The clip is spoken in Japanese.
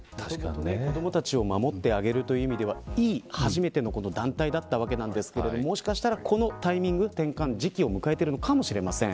子どもたちを守ってあげるという意味ではいい団体だったわけですけどこのタイミングで転換時期を迎えているのかもしれません。